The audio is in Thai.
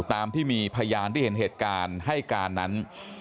ตามที่มีพยานที่เห็นเหตุการณ์ให้การนั้น